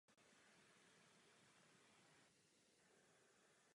Posouzení věci podle ustanovení o odpovědnosti za újmu má proto přednost.